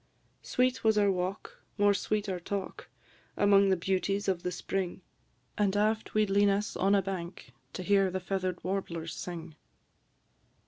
Sweet was our walk, more sweet our talk, Among the beauties of the spring; An' aft we 'd lean us on a bank, To hear the feather'd warblers sing.